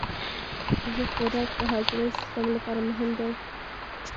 صحي خوراک د هاضمي سیستم لپاره مهم دی.